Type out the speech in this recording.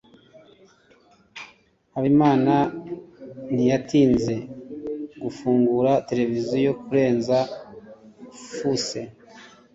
habimana ntiyatinze gufungura televiziyo kurenza fuse